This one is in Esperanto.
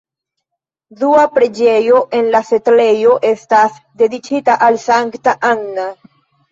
Dua preĝejo en la setlejo estas dediĉita al sankta Anna.